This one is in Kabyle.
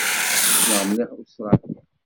Ssneɣ mliḥ Ustṛalya.